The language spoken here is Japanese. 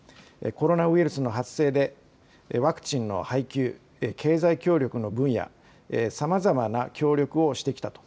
コロナウイルスの発生でワクチンの配給、経済協力の分野、さまざまな協力をしてきたと。